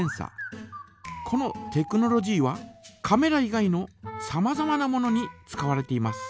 このテクノロジーはカメラ以外のさまざまなものに使われています。